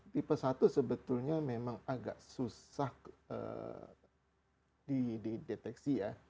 tipe satu sebetulnya memang agak susah dideteksi ya